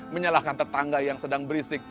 menyalahkan tetangga yang sedang berisik